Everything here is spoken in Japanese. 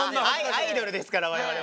アイドルですから我々は。